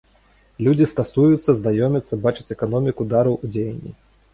Людзі стасуюцца, знаёмяцца, бачаць эканоміку дару ў дзеянні.